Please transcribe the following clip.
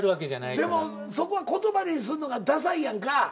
でもそこは言葉にするのがダサいやんか。